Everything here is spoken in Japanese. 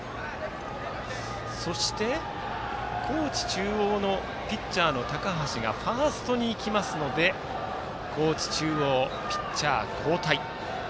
そして、高知中央のピッチャーの高橋がファーストに行きますので高知中央はピッチャー交代。